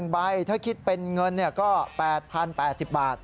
ใบถ้าคิดเป็นเงินก็๘๐๘๐บาท